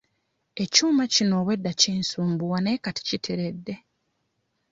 Ekyuma kino obwedda kinsumbuwa naye kati kiteredde.